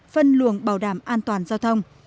phân luồng bảo đảm an toàn giao thông